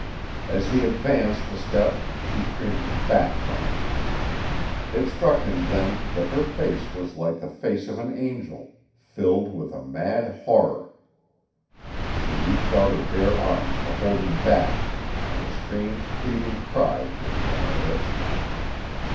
As he advanced a step she cringed back from him. It struck him then that her face was like the face of an angel filled with a mad horror. She reached out her bare arms to hold him back, and a strange pleading cry came from her lips.